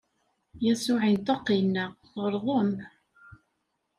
Yasuɛ inṭeq, inna: Tɣelḍem!